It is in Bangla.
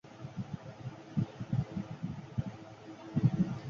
কলকাতার ওয়েলিংটন স্কোয়ারে তাদের বাড়িটি থেকেই স্বদেশী আন্দোলনের কার্যকলাপ চলতে থাকে।